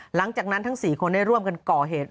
หลังจากนั้นทั้ง๔คนได้ร่วมกันก่อเหตุ